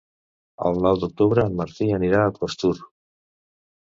El nou d'octubre en Martí anirà a Costur.